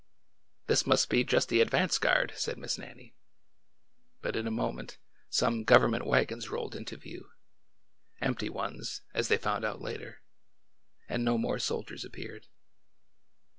This must be just the advance guard," said Miss Nan A DAY OF SOWING 209 nie. But in a moment some government wagons rolled into view, — empty ones, as they found out later, — and no more soldiers appeared.